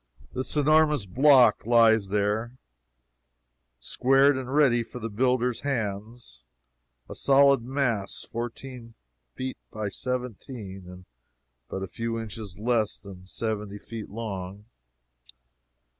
This enormous block lies there, squared and ready for the builders' hands a solid mass fourteen feet by seventeen, and but a few inches less than seventy feet long!